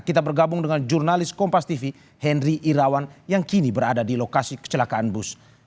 kita bergabung dengan jurnalis kompas tv henry irawan yang kini berada di lokasi kecelakaan bus